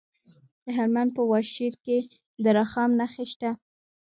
د هلمند په واشیر کې د رخام نښې شته.